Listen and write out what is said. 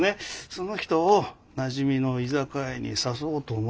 その人をなじみの居酒屋に誘おうと思ってるの。